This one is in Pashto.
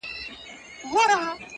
خبره د خبري څخه زېږي.